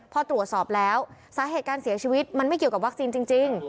พอตรวจสอบแล้วสาเหตุการเสียชีวิตมันไม่เกี่ยวกับวัคซีนจริง